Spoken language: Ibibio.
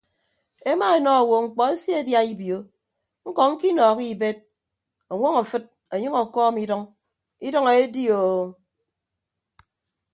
Emaenọ owo mkpọ eseedia ibio ñkọ ñkinọọhọ ibed ọñwọñ afịd ọnyʌñ ọkọọm idʌñ idʌñ eedioo.